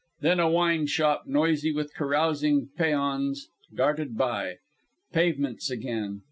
Then a wine shop noisy with carousing peons darted by. Pavements again.